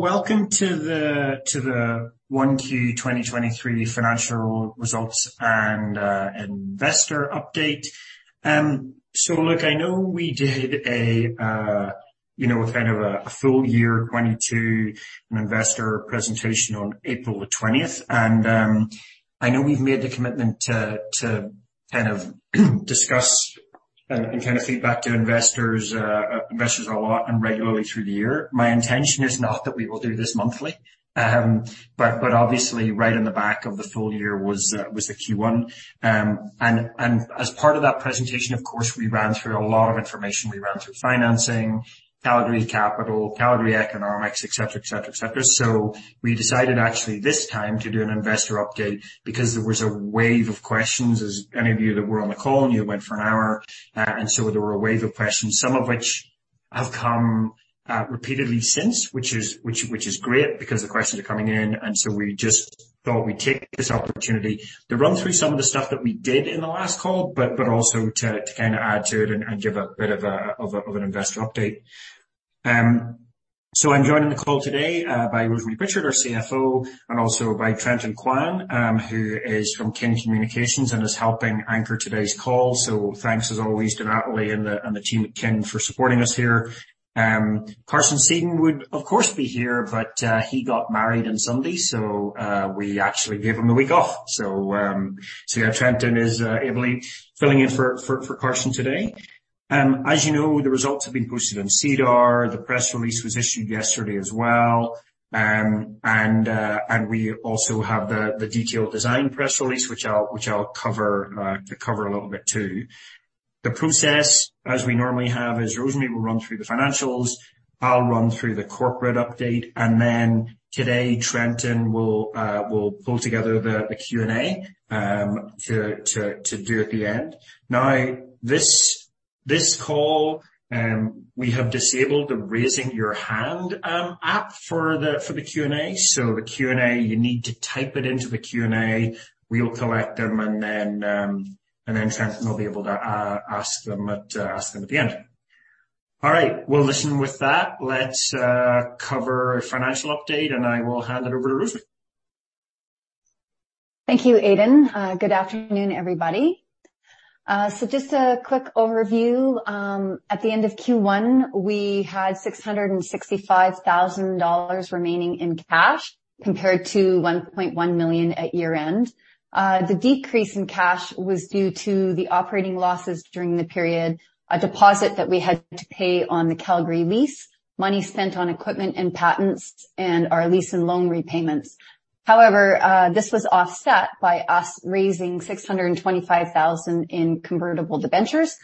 Welcome to the 1Q 2023 financial results and investor update. I know we did a, you know, kind of a full year 2022, an investor presentation on April 20th. I know we've made the commitment to kind of discuss and kind of feed back to investors a lot and regularly through the year. My intention is not that we will do this monthly, obviously right on the back of the full year was the Q1. As part of that presentation, of course, we ran through a lot of information. We ran through financing, Calgary capital, Calgary economics, etc. We decided actually this time to do an investor update because there was a wave of questions as any of you that were on the call, and you went for an hour. There were a wave of questions, some of which have come repeatedly since, which is great because the questions are coming in. We just thought we'd take this opportunity to run through some of the stuff that we did in the last call, but also to kind of add to it and give a bit of an investor update. I'm joined on the call today by Rosemary Pritchard, our CFO, and also by Trenton Kwan, who is from Kin Communications and is helping anchor today's call. Thanks as always, to Natalie and the team at Kin for supporting us here. Carson Sedun would, of course, be here, but he got married on Sunday, so we actually gave him the week off. Trenton is ably filling in for Carson today. As you know, the results have been posted on SEDAR. The press release was issued yesterday as well. We also have the detailed design press release, which I'll cover a little bit, too. The process, as we normally have, is Rosemary will run through the financials, I'll run through the corporate update, and then today, Trenton will pull together the Q&A to do at the end. This call, we have disabled the raising your hand app for the Q&A. The Q&A, you need to type it into the Q&A. We'll collect them, Trenton will be able to ask them at the end. Well, listen with that, let's cover financial update, and I will hand it over to Rosemary. Thank you, Aidan. Good afternoon, everybody. Just a quick overview. At the end of Q1, we had 665,000 dollars remaining in cash, compared to 1.1 million at year-end. The decrease in cash was due to the operating losses during the period, a deposit that we had to pay on the Calgary lease, money spent on equipment and patents, and our lease and loan repayments. However, this was offset by us raising 625,000 in convertible debentures.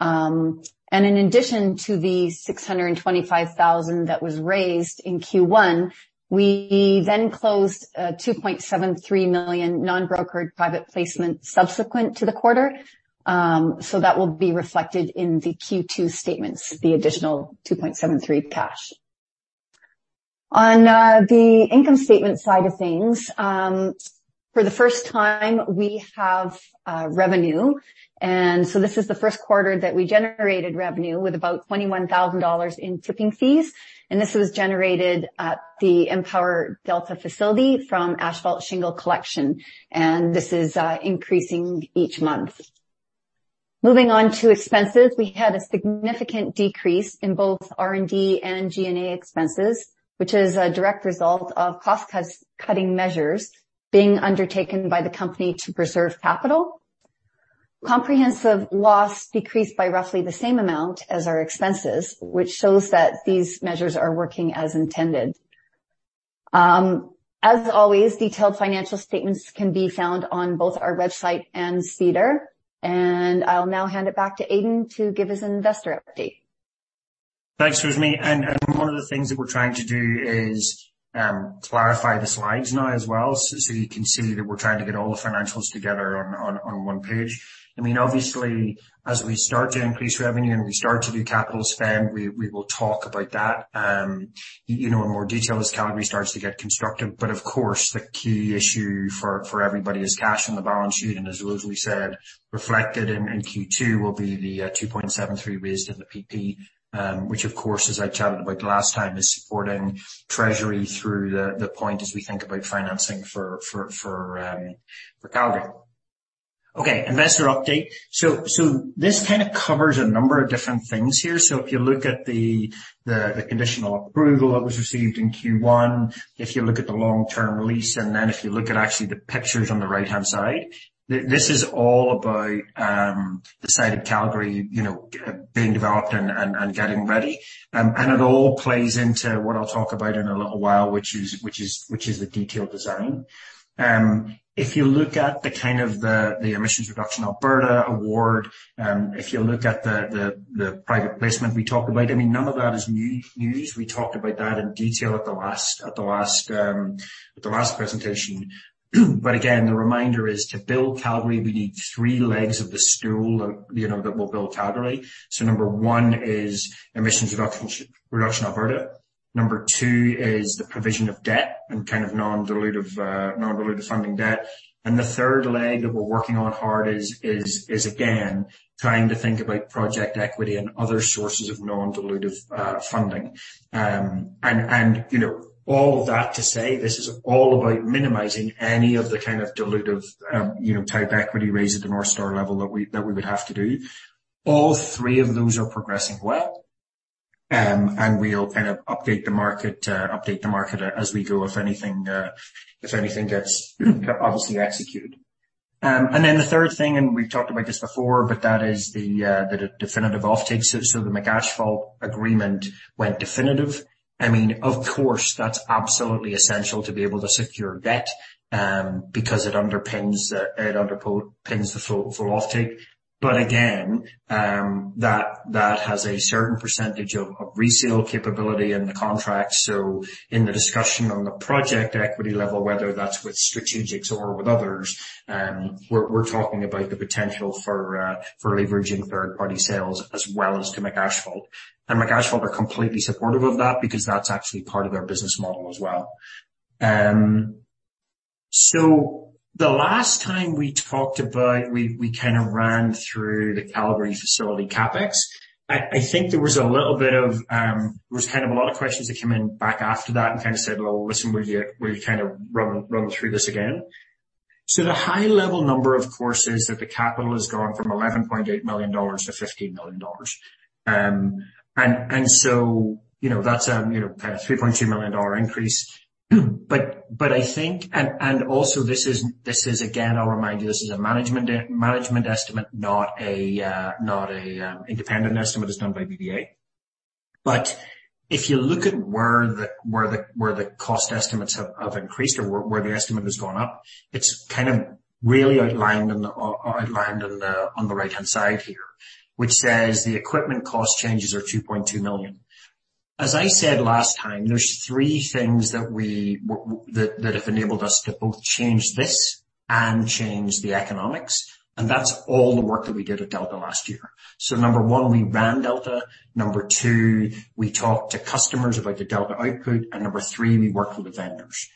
In addition to the 625,000 that was raised in Q1, we then closed a 2.73 million non-brokered private placement subsequent to the quarter. That will be reflected in the Q2 statements, the additional 2.73 million cash. On the income statement side of things, for the first time, we have revenue. This is the first quarter that we generated revenue with about 21,000 dollars in tipping fees, and this was generated at the Empower Delta facility from asphalt shingle collection, and this is increasing each month. Moving on to expenses, we had a significant decrease in both R&D and G&A expenses, which is a direct result of cost-cutting measures being undertaken by the company to preserve capital. Comprehensive loss decreased by roughly the same amount as our expenses, which shows that these measures are working as intended. As always, detailed financial statements can be found on both our website and SEDAR. I'll now hand it back to Aidan to give us an investor update. Thanks, Rosemary. One of the things that we're trying to do is clarify the slides now as well. You can see that we're trying to get all the financials together on one page. I mean, obviously, as we start to increase revenue and we start to do capital spend, we will talk about that, you know, in more detail as Calgary starts to get constructive. Of course, the key issue for everybody is cash on the balance sheet, and as Rosemary said, reflected in Q2 will be the 2.73 million raised in the PP, which of course, as I chatted about last time, is supporting treasury through the point as we think about financing for Calgary. Okay, investor update. This kind of covers a number of different things here. If you look at the conditional approval that was received in Q1, if you look at the long-term lease, if you look at actually the pictures on the right-hand side, this is all about the site of Calgary, you know, being developed and getting ready. It all plays into what I'll talk about in a little while, which is the detailed design. If you look at the Emissions Reduction Alberta award, if you look at the private placement we talked about, I mean, none of that is new news. We talked about that in detail at the last presentation. Again, the reminder is to build Calgary, we need three legs of the stool, you know, that will build Calgary. Number one is Emissions Reduction Alberta. Number two is the provision of debt and kind of non-dilutive, non-dilutive funding debt. The third leg that we're working on hard is again, trying to think about project equity and other sources of non-dilutive funding. You know, all of that to say this is all about minimizing any of the kind of dilutive, you know, type equity raise at the Northstar level that we would have to do. All three of those are progressing well, and we'll kind of update the market, update the market as we go, if anything, if anything gets, obviously executed. The third thing, and we've talked about this before, but that is the definitive offtake. The McAsphalt agreement went definitive. I mean, of course, that's absolutely essential to be able to secure debt, because it underpins the full offtake. Again, that has a certain percentage of resale capability in the contract. In the discussion on the project equity level, whether that's with Strategics or with others, we're talking about the potential for leveraging third-party sales as well as to McAsphalt. McAsphalt are completely supportive of that because that's actually part of their business model as well. The last time we talked about... We kind of ran through the Calgary facility CapEx. I think there was a little bit of, there was kind of a lot of questions that came in back after that and kind of said, "Well, listen, will you kind of run through this again?" The high-level number, of course, is that the capital has gone from 11.8 million dollars to 15 million dollars. you know, that's you know, a 3.2 million dollar increase. I think this is, again, I'll remind you, this is a management estimate, not a independent estimate as done by BBA. If you look at where the cost estimates have increased or where the estimate has gone up, it's kind of really outlined in the on the right-hand side here, which says the equipment cost changes are 2.2 million. As I said last time, there's three things that have enabled us to both change this and change the economics, and that's all the work that we did at Delta last year. Number one, we ran Delta. Number two, we talked to customers about the Delta output, and number three, we worked with the vendors.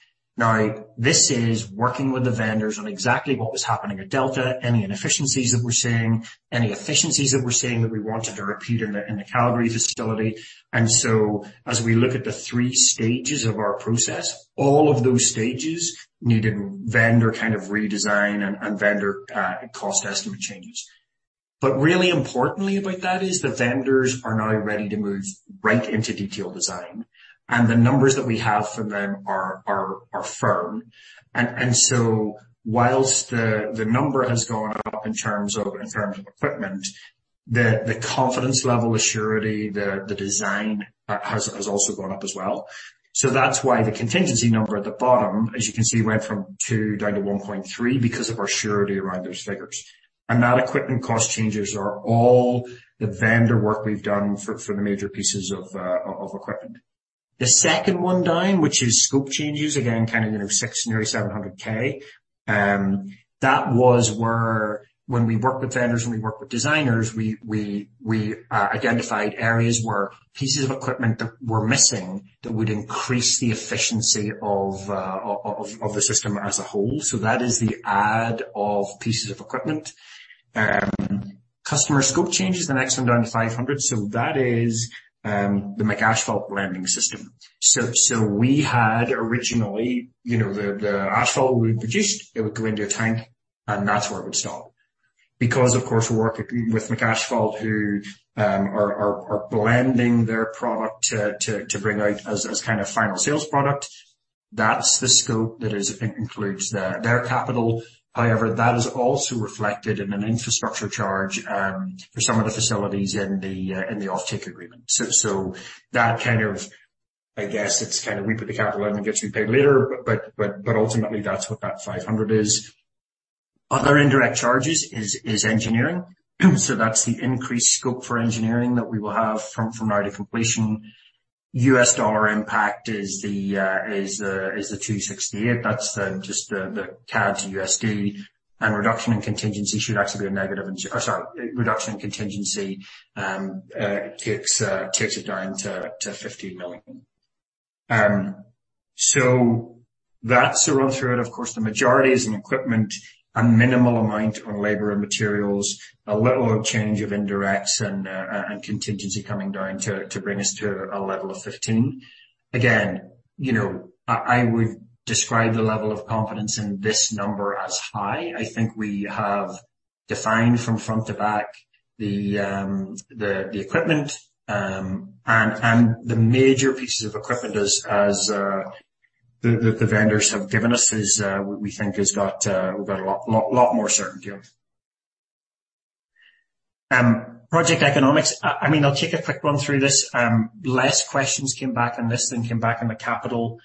This is working with the vendors on exactly what was happening at Delta, any inefficiencies that we're seeing, any efficiencies that we're seeing that we wanted to repeat in the Calgary facility. As we look at the three stages of our process, all of those stages needed vendor kind of redesign and vendor cost estimate changes. Really importantly about that is the vendors are now ready to move right into detailed design, and the numbers that we have from them are firm. Whilst the number has gone up in terms of equipment, the confidence level of surety, the design has also gone up as well. That's why the contingency number at the bottom, as you can see, went from two down to 1.3 because of our surety around those figures. That equipment cost changes are all the vendor work we've done for the major pieces of equipment. The second one down, which is scope changes, again, kind of, you know, 600,000, nearly 700,000. That was where when we worked with vendors and we worked with designers, we identified areas where pieces of equipment that were missing that would increase the efficiency of the system as a whole. That is the add of pieces of equipment. Customer scope changes, the next one down to 500,000. That is the McAsphalt blending system. We had originally, you know, the asphalt we produced, it would go into a tank, and that's where it would stop. Because, of course, we're working with McAsphalt, who are blending their product to bring out as kind of final sales product. That's the scope that is, includes their capital. That is also reflected in an infrastructure charge for some of the facilities in the in the offtake agreement. That kind of I guess it's kind of we put the capital in and gets repaid later, but ultimately, that's what that 500 is. Other indirect charges is engineering. That's the increased scope for engineering that we will have from now to completion. USD impact is the is the $268. That's the just the CAD to USD. Reduction in contingency should actually be a negative. Oh, sorry, reduction in contingency takes it down to 15 million. That's the run through it. Of course, the majority is in equipment and minimal amount on labor and materials, a little change of indirects and contingency coming down to bring us to a level of 15. Again, you know, I would describe the level of confidence in this number as high. I think we have defined from front to back the equipment and the major pieces of equipment as the vendors have given us is, we think has got, we've got a lot more certainty of. Project economics. I mean, I'll take a quick run through this. Less questions came back on this than came back on the capital.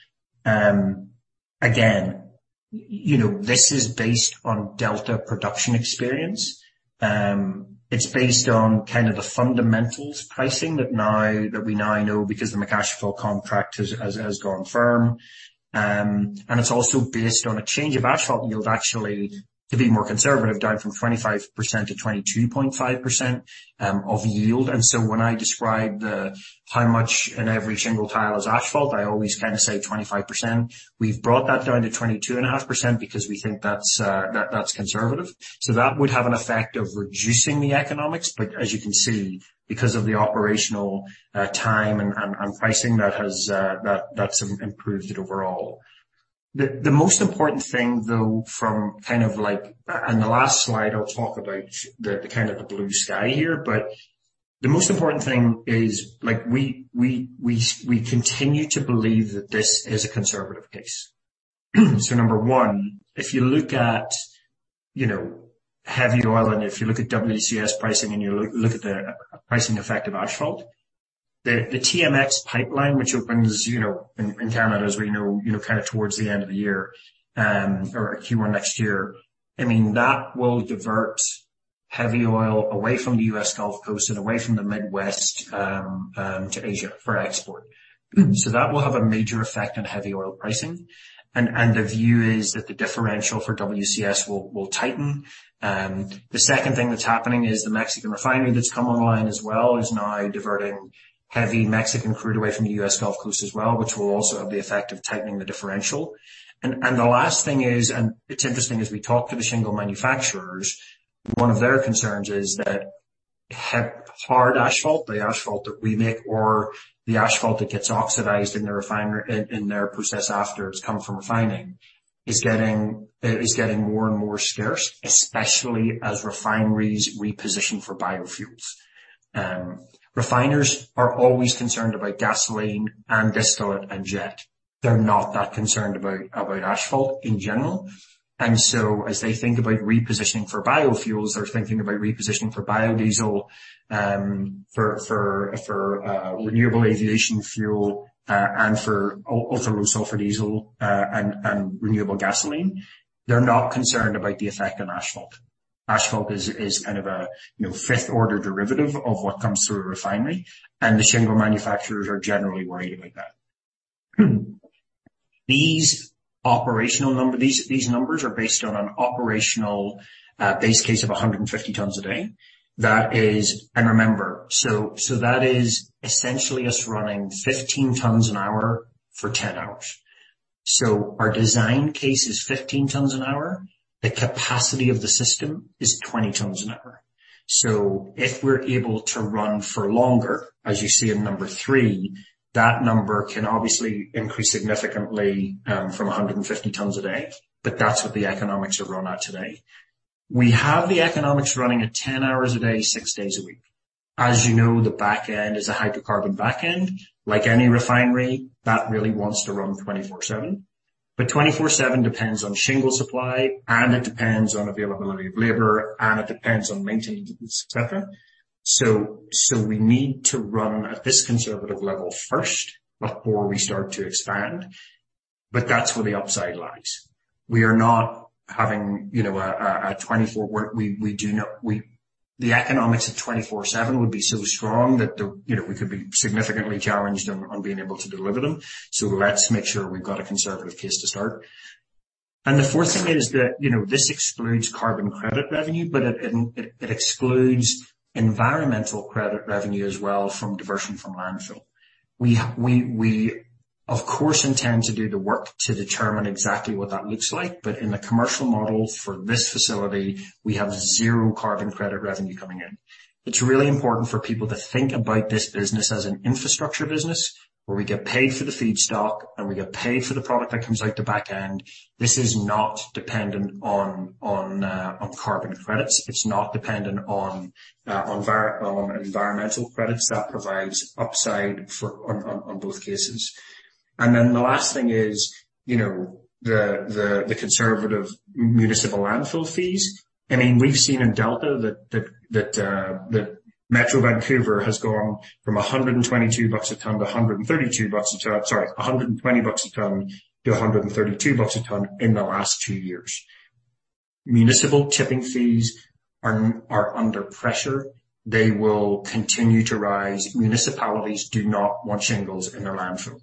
Again, you know, this is based on Delta production experience. It's based on kind of the fundamentals pricing that we now know because the McAsphalt contract has gone firm. It's also based on a change of asphalt yield, actually, to be more conservative, down from 25% to 22.5% of yield. When I describe how much in every shingle tile is asphalt, I always kind of say 25%. We've brought that down to 22.5% because we think that's conservative. That would have an effect of reducing the economics. As you can see, because of the operational time and pricing that's improved it overall. The most important thing, though, On the last slide, I'll talk about the kind of the blue sky here. The most important thing is, like, we continue to believe that this is a conservative case. Number one, if you look at, you know, heavy oil, and if you look at WCS pricing, and you look at the pricing effect of asphalt, the TMX pipeline, which opens, you know, in Canada, as we know, you know, kind of towards the end of the year, or Q1 next year, I mean, that will divert heavy oil away from the U.S. Gulf Coast and away from the Midwest, to Asia for export. That will have a major effect on heavy oil pricing, and the view is that the differential for WCS will tighten. The second thing that's happening is the Mexican refinery that's come online as well, is now diverting heavy Mexican crude away from the U.S. Gulf Coast as well, which will also have the effect of tightening the differential. The last thing is, and it's interesting, as we talk to the shingle manufacturers, one of their concerns is that hard asphalt, the asphalt that we make, or the asphalt that gets oxidized in the refinery, in their process after it's come from refining, is getting more and more scarce, especially as refineries reposition for biofuels. Refiners are always concerned about gasoline and distillate and jet. They're not that concerned about asphalt in general. As they think about repositioning for biofuels, they're thinking about repositioning for biodiesel, for renewable aviation fuel, and for ultra-low sulfur diesel and renewable gasoline. They're not concerned about the effect on asphalt. Asphalt is kind of a, you know, fifth-order derivative of what comes through a refinery, and the shingle manufacturers are generally worried about that. These numbers are based on an operational base case of 150 tons a day. So that is essentially us running 15 tons an hour for 10 hours. Our design case is 15 tons an hour. The capacity of the system is 20 tons an hour. If we're able to run for longer, as you see in number three, that number can obviously increase significantly from 150 tons a day. That's what the economics are run at today. We have the economics running at 10 hours a day, six days a week. As you know, the back end is a hydrocarbon back end. Like any refinery, that really wants to run 24/7. 24/7 depends on shingle supply, and it depends on availability of labor, and it depends on maintenance, et cetera. We need to run at this conservative level first before we start to expand. That's where the upside lies. We are not having a 24. The economics of 24/7 would be so strong that the, you know, we could be significantly challenged on being able to deliver them. Let's make sure we've got a conservative case to start. The fourth thing is that, you know, this excludes carbon credit revenue, but it excludes environmental credit revenue as well from diversion from landfill. We have, of course, intend to do the work to determine exactly what that looks like, but in the commercial model for this facility, we have zero carbon credit revenue coming in. It's really important for people to think about this business as an infrastructure business, where we get paid for the feedstock, and we get paid for the product that comes out the back end. This is not dependent on carbon credits. It's not dependent on environmental credits. That provides upside for on both cases. The last thing is, you know, the conservative municipal landfill fees. I mean, we've seen in Delta that Metro Vancouver has gone from 122 bucks a ton to 132 bucks a ton. Sorry, 120 bucks a ton to 132 bucks a ton in the last two years. Municipal tipping fees are under pressure. They will continue to rise. Municipalities do not want shingles in their landfill.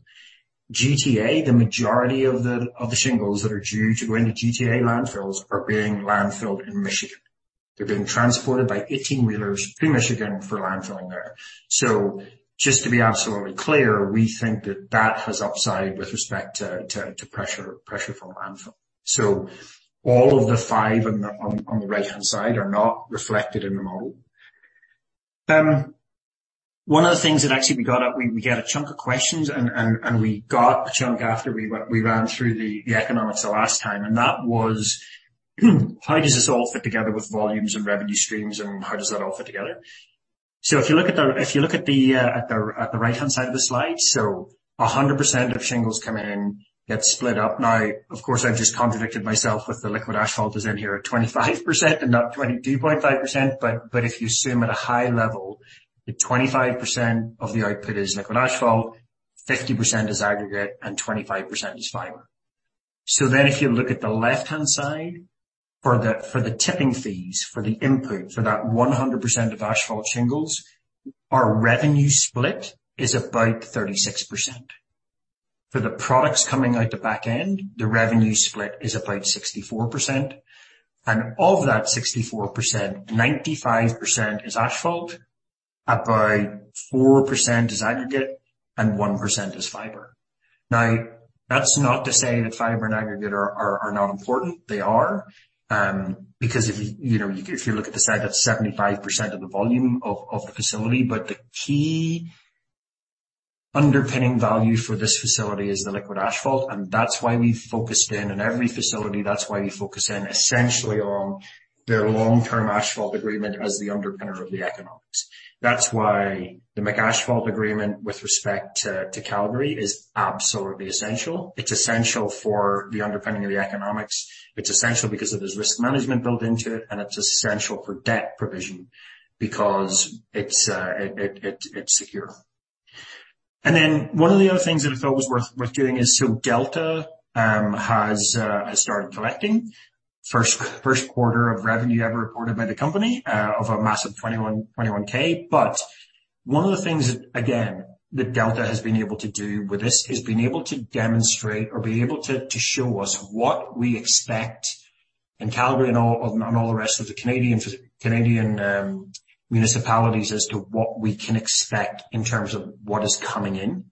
GTA, the majority of the shingles that are due to go into GTA landfills are being landfilled in Michigan. They're being transported by 18-wheelers to Michigan for landfilling there. Just to be absolutely clear, we think that that has upside with respect to pressure from landfill. All of the five on the right-hand side are not reflected in the model. One of the things that actually we get a chunk of questions, and we got a chunk after we ran through the economics the last time, and that was, how does this all fit together with volumes and revenue streams, and how does that all fit together? If you look at the right-hand side of the slide, 100% of shingles come in, get split up. Of course, I've just contradicted myself with the liquid asphalt is in here at 25% and not 22.5%, but if you assume at a high level, that 25% of the output is liquid asphalt, 50% is aggregate, and 25% is fiber. If you look at the left-hand side for the, for the tipping fees, for the input, for that 100% of asphalt shingles, our revenue split is about 36%. For the products coming out the back end, the revenue split is about 64%, and of that 64%, 95% is asphalt, about 4% is aggregate, and 1% is fiber. That's not to say that fiber and aggregate are not important. They are, because if, you know, if you look at the side, that's 75% of the volume of the facility. The key underpinning value for this facility is the liquid asphalt, and that's why we focused in. In every facility, that's why we focus in essentially on their long-term asphalt agreement as the underpinner of the economics. That's why the McAsphalt agreement with respect to Calgary is absolutely essential. It's essential for the underpinning of the economics. It's essential because of there's risk management built into it, and it's essential for debt provision because it's secure. One of the other things that I felt was worth doing is Delta has started collecting. First quarter of revenue ever reported by the company, of a massive 21,000. One of the things that, again, that Delta has been able to do with this is being able to demonstrate or be able to show us what we expect in Calgary and all, and all the rest of the Canadian municipalities as to what we can expect in terms of what is coming in.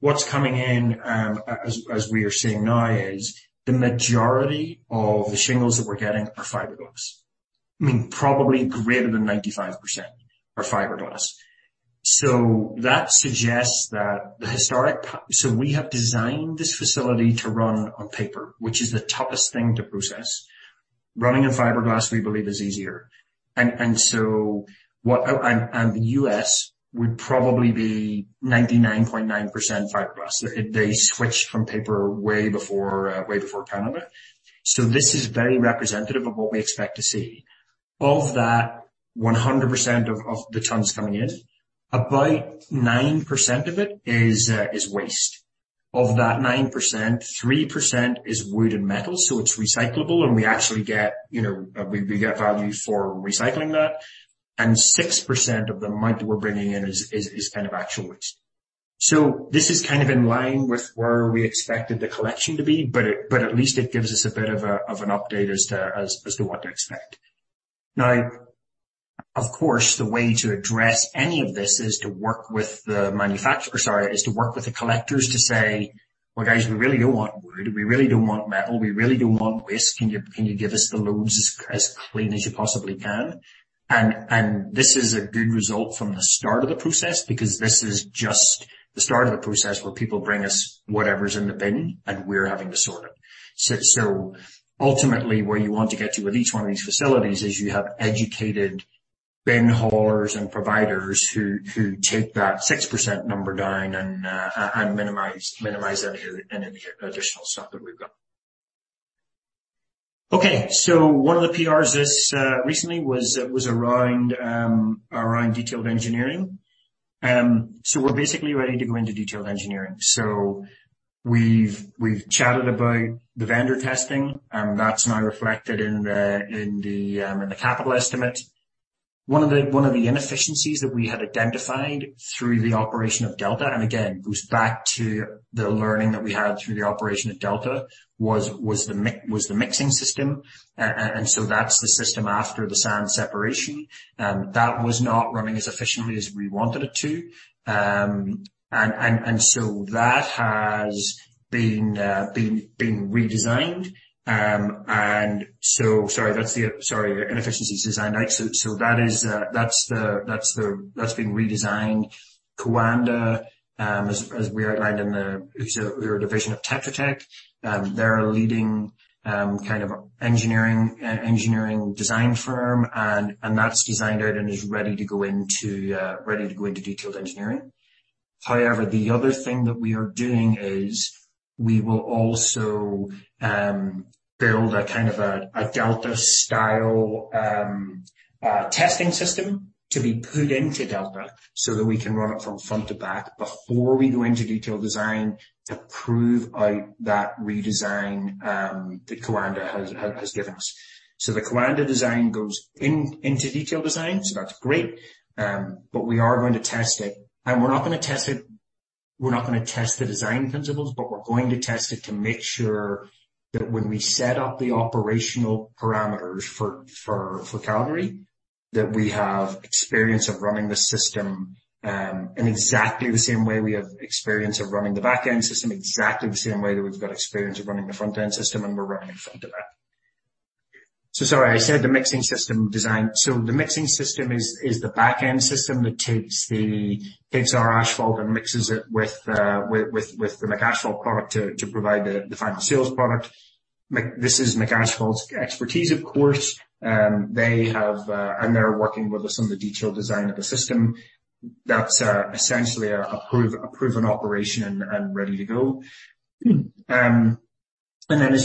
What's coming in, as we are seeing now, is the majority of the shingles that we're getting are fiberglass. I mean, probably greater than 95% are fiberglass. That suggests that we have designed this facility to run on paper, which is the toughest thing to process. Running on fiberglass, we believe, is easier. The U.S. would probably be 99.9% fiberglass. They switched from paper way before, way before Canada. This is very representative of what we expect to see. Of that 100% of the tons coming in, about 9% of it is waste. Of that 9%, 3% is wood and metal, so it's recyclable, and we actually get, you know, we get value for recycling that, and 6% of the amount that we're bringing in is kind of actual waste. This is kind of in line with where we expected the collection to be, but at least it gives us a bit of an update as to what to expect. Of course, the way to address any of this Sorry, is to work with the collectors to say, "Well, guys, we really don't want wood. We really don't want metal. We really don't want waste. Can you give us the loads as clean as you possibly can?" This is a good result from the start of the process, because this is just the start of the process where people bring us whatever's in the bin, and we're having to sort it. Ultimately, where you want to get to with each one of these facilities is you have educated bin haulers and providers who take that 6% number down and minimize any additional stuff that we've got. One of the PRs this recently was around detailed engineering. So we're basically ready to go into detailed engineering. So we've chatted about the vendor testing, and that's now reflected in the capital estimate. One of the inefficiencies that we had identified through the operation of Delta, and again, goes back to the learning that we had through the operation of Delta, was the mixing system. That's the system after the sand separation that was not running as efficiently as we wanted it to. That has been redesigned. Sorry, inefficiencies designed out. That is being redesigned. Coanda, as we outlined in the, it's a division of Tetra Tech, they're a leading kind of engineering design firm, and that's designed out and is ready to go into detailed engineering. The other thing that we are doing is we will also build a kind of a Delta style testing system to be put into Delta so that we can run it from front to back before we go into detailed design to prove out that redesign that Coanda has given us. The Coanda design goes into detailed design, so that's great. We are going to test it, we're not going to test the design principles, but we're going to test it to make sure that when we set up the operational parameters for Calgary, that we have experience of running the system, in exactly the same way we have experience of running the back-end system, exactly the same way that we've got experience of running the front-end system, and we're running it front to back. Sorry, I said the mixing system design. The mixing system is the back-end system that takes our asphalt and mixes it with the McAsphalt product to provide the final sales product. This is McAsphalt's expertise, of course, they have. They're working with us on the detailed design of the system. That's essentially a approved, a proven operation and ready to go. As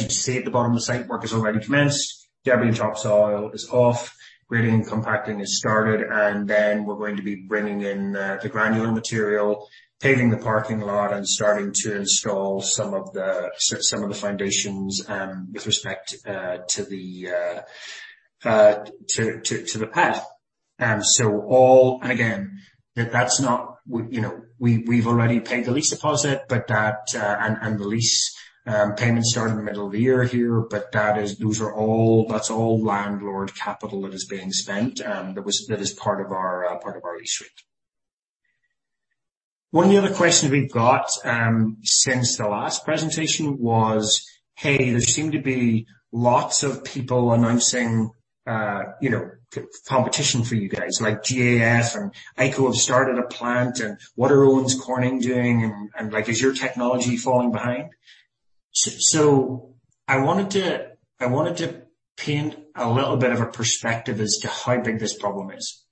you can see at the bottom, the site work has already commenced. Debris and topsoil is off, grading and compacting is started, and then we're going to be bringing in the granular material, paving the parking lot, and starting to install some of the foundations with respect to the path. All, and again, that's not you know, we've already paid the lease deposit, but the lease payments start in the middle of the year here, but that's all landlord capital that is being spent, that is part of our part of our lease rate. One of the other questions we've got since the last presentation was, "Hey, there seem to be lots of people announcing, you know, competition for you guys, like GAF and IKO have started a plant, and what are Owens Corning doing, and like, is your technology falling behind?" I wanted to paint a little bit of a perspective as to how big this problem is.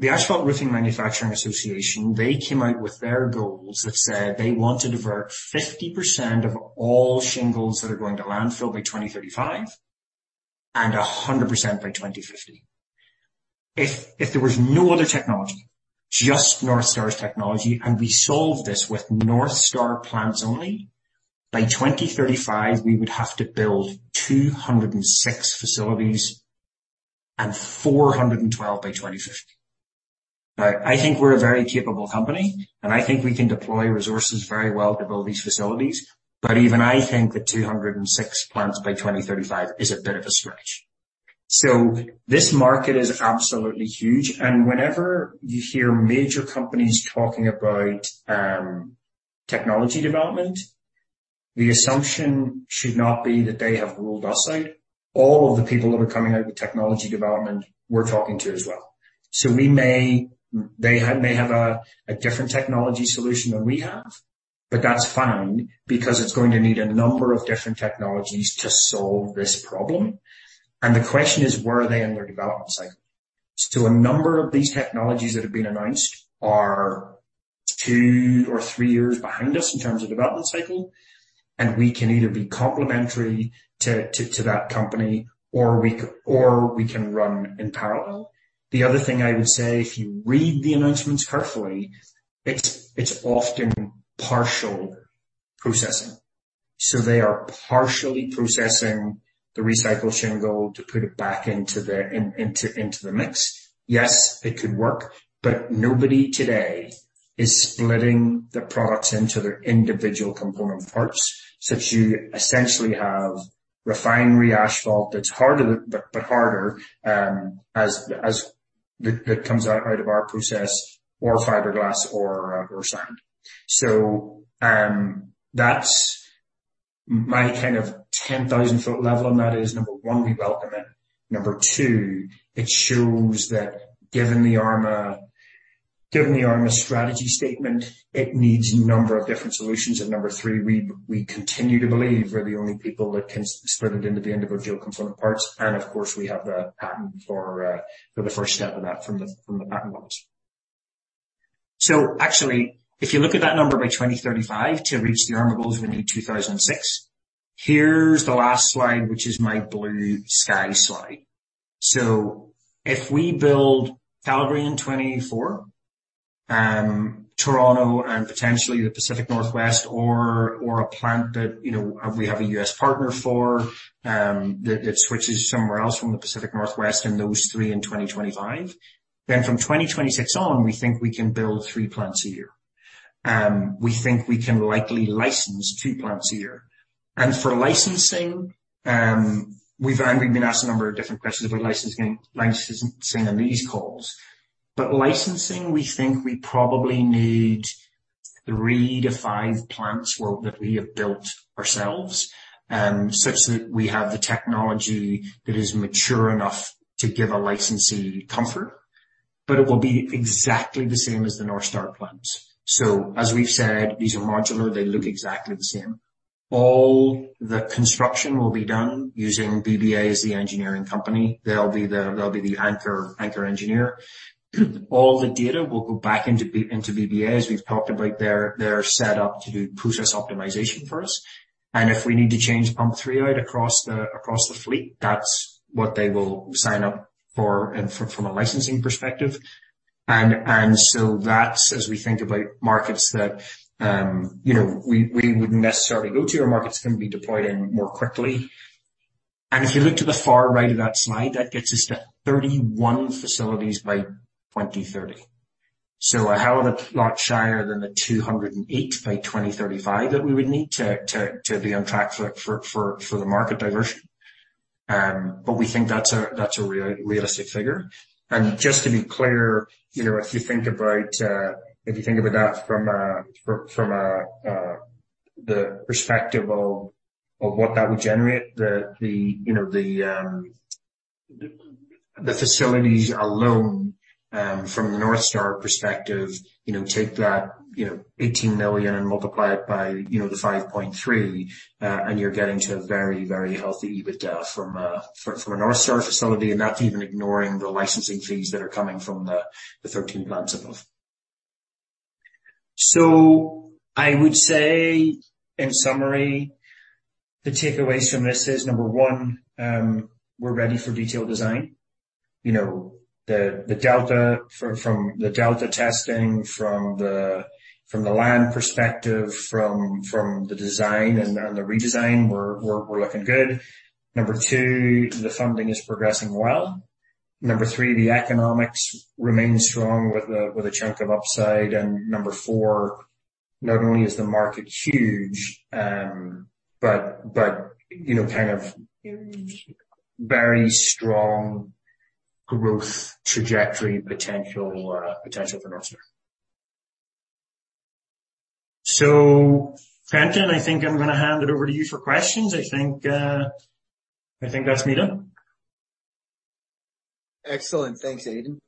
The Asphalt Roofing Manufacturers Association, they came out with their goals that said they want to divert 50% of all shingles that are going to landfill by 2035, and 100% by 2050. If there was no other technology, just Northstar's technology, and we solved this with Northstar plants only, by 2035, we would have to build 206 facilities and 412 by 2050. I think we're a very capable company, and I think we can deploy resources very well to build these facilities, but even I think that 206 plants by 2035 is a bit of a stretch. This market is absolutely huge, and whenever you hear major companies talking about technology development, the assumption should not be that they have ruled us out. All of the people that are coming out with technology development, we're talking to as well. They may have a different technology solution than we have, but that's fine because it's going to need a number of different technologies to solve this problem. The question is, where are they in their development cycle? A number of these technologies that have been announced are two or three years behind us in terms of development cycle, and we can either be complementary to that company or we can run in parallel. The other thing I would say, if you read the announcements carefully, it's often partial processing. They are partially processing the recycled shingle to put it back into the mix. Yes, it could work, nobody today is splitting the products into their individual component parts, since you essentially have refinery asphalt that's harder, but harder, that comes out of our process or fiberglass or sand. That's my kind of 10,000 foot level, and that is, number one, we welcome it. Number two, it shows that given the ARMA strategy statement, it needs a number of different solutions. Number three, we continue to believe we're the only people that can split it into the individual component parts. Of course, we have the patent for the first step of that from the patent box. Actually, if you look at that number by 2035, to reach the ARMA goals, we need 2,006. Here's the last slide, which is my blue sky slide. If we build Calgary in 2024, Toronto and potentially the Pacific Northwest, or a plant that we have a U.S. partner for, that switches somewhere else from the Pacific Northwest and those three in 2025. From 2026 on, we think we can build three plants a year. We think we can likely license two plants a year. For licensing, we've been asked a number of different questions about licensing in these calls. Licensing, we think we probably need three-five plants world that we have built ourselves, such that we have the technology that is mature enough to give a licensee comfort, but it will be exactly the same as the Northstar plants. As we've said, these are modular. They look exactly the same. All the construction will be done using BBA as the engineering company. They'll be the anchor engineer. All the data will go back into BBA, as we've talked about their setup to do process optimization for us. If we need to change pump three out across the fleet, that's what they will sign up for from a licensing perspective. That's as we think about markets that, you know, we wouldn't necessarily go to, or markets can be deployed in more quickly. If you look to the far right of that slide, that gets us to 31 facilities by 2030. A hell of a lot shyer than the 208 by 2035 that we would need to be on track for the market diversion. But we think that's a real realistic figure. Just to be clear, you know, if you think about, if you think about that from a, the perspective of what that would generate, the, you know, the facilities alone, from the Northstar perspective, you know, take that, you know, 18 million and multiply it by, you know, the 5.3, and you're getting to a very, very healthy EBITDA from a Northstar facility, and that's even ignoring the licensing fees that are coming from the 13 plants above. I would say, in summary, the takeaways from this is, Number one, we're ready for detailed design. You know, the delta from the delta testing, from the land perspective, from the design and the redesign, we're looking good. Number two, the funding is progressing well. Number three, the economics remain strong with a chunk of upside. Number four, not only is the market huge, but, you know, kind of very strong growth trajectory, potential for Northstar. Trenton, I think I'm going to hand it over to you for questions. I think that's me done. Excellent. Thanks, Aidan.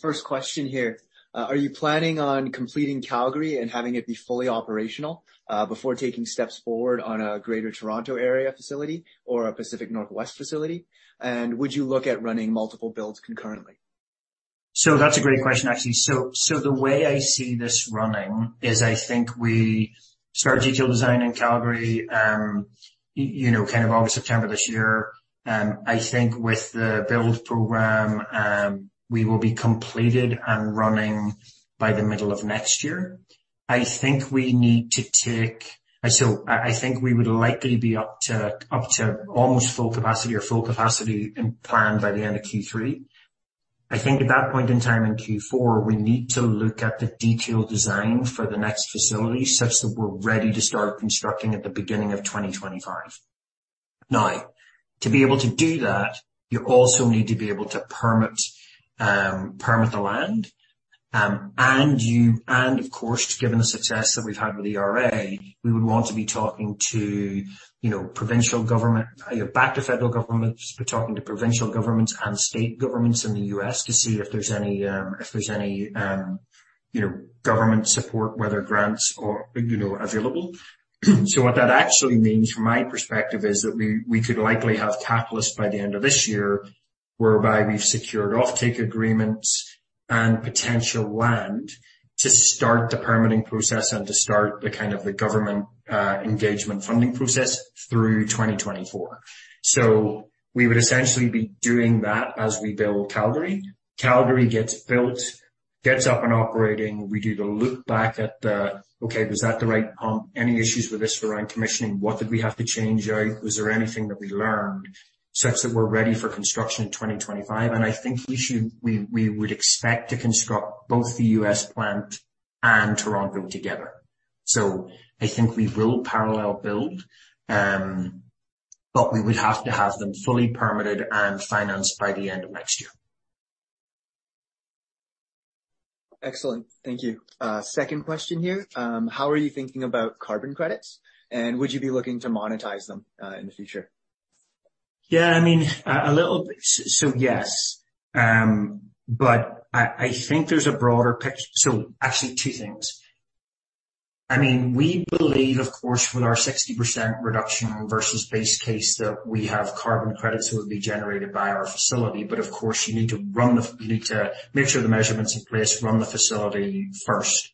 First question here. Are you planning on completing Calgary and having it be fully operational before taking steps forward on a greater Toronto area facility or a Pacific Northwest facility? Would you look at running multiple builds concurrently? That's a great question, actually. The way I see this running is I think we start detailed design in Calgary, you know, kind of August, September this year. I think with the build program, we will be completed and running by the middle of next year. I think we would likely be up to almost full capacity or full capacity in plan by the end of Q3. I think at that point in time, in Q4, we need to look at the detailed design for the next facility, such that we're ready to start constructing at the beginning of 2025. To be able to do that, you also need to be able to permit the land, of course, given the success that we've had with ERA, we would want to be talking to, you know, provincial government, back to federal government, talking to provincial governments and state governments in the U.S. to see if there's any, if there's any, you know, government support, whether grants or, you know, available. What that actually means from my perspective, is that we could likely have catalyst by the end of this year, whereby we've secured offtake agreements and potential land to start the permitting process and to start the kind of the government engagement funding process through 2024. We would essentially be doing that as we build Calgary. Calgary gets built, gets up and operating. We do the look back at the. Okay, was that the right pump? Any issues with this around commissioning? What did we have to change out? Was there anything that we learned such that we're ready for construction in 2025? I think we should, we would expect to construct both the U.S. plant and Toronto together. I think we will parallel build, but we would have to have them fully permitted and financed by the end of next year. Excellent. Thank you. second question here. How are you thinking about carbon credits, and would you be looking to monetize them in the future? Yeah, I mean, a little bit. Yes, but I think there's a broader so actually two things. I mean, we believe, of course, with our 60% reduction versus base case, that we have carbon credits will be generated by our facility. Of course, you need to make sure the measurement's in place, run the facility first,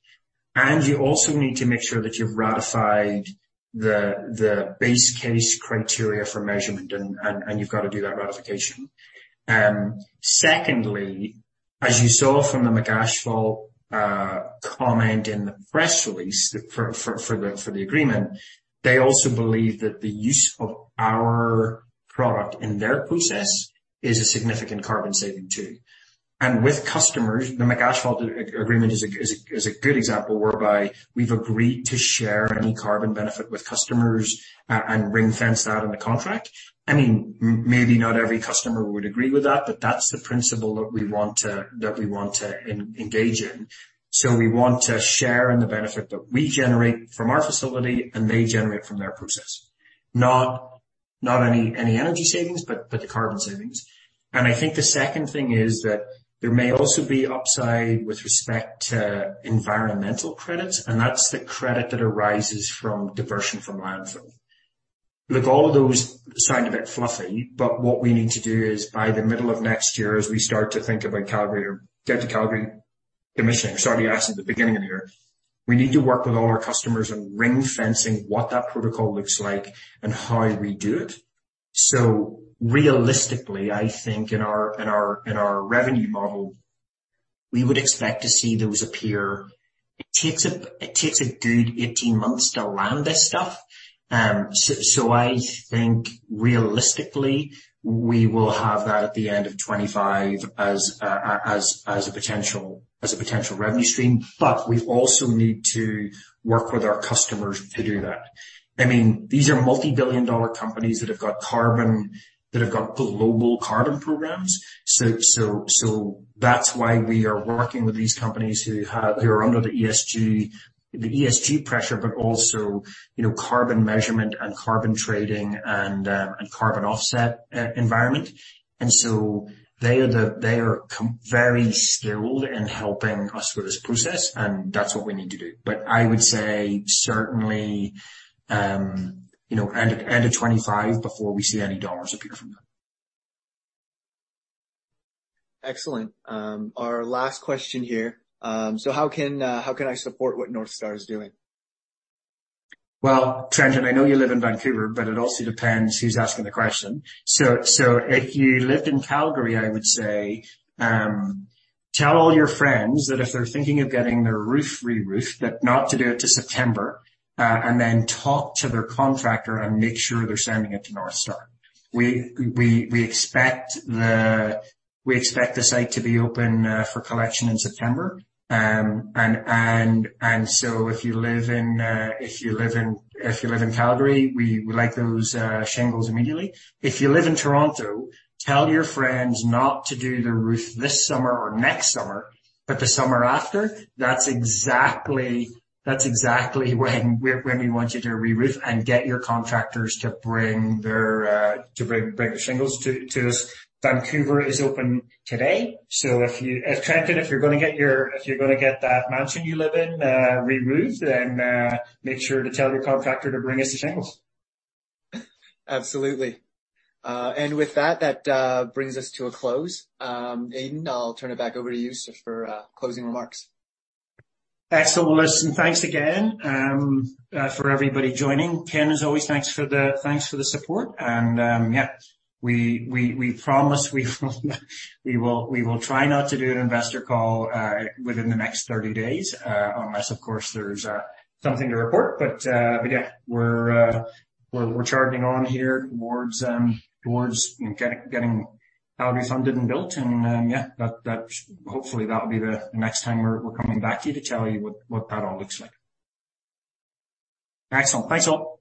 and you also need to make sure that you've ratified the base case criteria for measurement and you've got to do that ratification. Secondly, as you saw from the McAsphalt comment in the press release for the agreement, they also believe that the use of our product in their process is a significant carbon saving too. With customers, the McAsphalt agreement is a good example whereby we've agreed to share any carbon benefit with customers and ring-fence that in the contract. I mean, maybe not every customer would agree with that, but that's the principle that we want to engage in. We want to share in the benefit that we generate from our facility and they generate from their process. Not any energy savings, but the carbon savings. I think the second thing is that there may also be upside with respect to environmental credits, and that's the credit that arises from diversion from landfill. Look, all of those sound a bit fluffy, but what we need to do is by the middle of next year, as we start to think about Calgary or get to Calgary emission, we already asked at the beginning of the year, we need to work with all our customers on ring-fencing, what that protocol looks like and how we do it. Realistically, I think in our revenue model, we would expect to see those appear. It takes a good 18 months to land this stuff. I think realistically, we will have that at the end of 25 as a potential revenue stream. We also need to work with our customers to do that. I mean, these are multi-billion dollar companies that have got carbon that have got global carbon programs. So that's why we are working with these companies who are under the ESG pressure, but also, you know, carbon measurement and carbon trading and carbon offset e-environment. They are very skilled in helping us with this process, and that's what we need to do. I would say certainly, you know, end of 2025 before we see any dollars appear from them. Excellent. Our last question here, how can I support what Northstar is doing? Well, Trenton, I know you live in Vancouver, it also depends who's asking the question. If you lived in Calgary, I would say, tell all your friends that if they're thinking of getting their roof re-roofed, that not to do it till September, then talk to their contractor and make sure they're sending it to Northstar. We expect the site to be open for collection in September. If you live in Calgary, we would like those shingles immediately. If you live in Toronto, tell your friends not to do the roof this summer or next summer, but the summer after. That's exactly when we, when we want you to re-roof and get your contractors to bring their to bring the shingles to us. Vancouver is open today. Trenton, if you're gonna get that mansion you live in re-roofed, make sure to tell your contractor to bring us the shingles. Absolutely. With that, brings us to a close. Aidan, I'll turn it back over to you, so for closing remarks. Excellent. Listen, thanks again for everybody joining. Ken, as always, thanks for the support. Yeah, we promise we will try not to do an investor call within the next 30 days, unless, of course, there's something to report. Yeah, we're charging on here towards, you know, getting Calgary funded and built. Yeah, hopefully, that'll be the next time we're coming back to you to tell you what that all looks like. Excellent. Thanks, all.